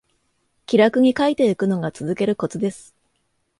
気楽に書いていくのが続けるコツです